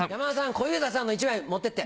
小遊三さんの１枚持ってって。